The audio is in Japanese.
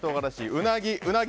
うなぎ、うなぎ。